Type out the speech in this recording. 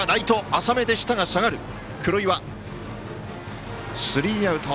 黒岩とってスリーアウト。